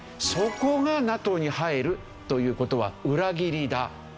そこがＮＡＴＯに入るという事は裏切りだ。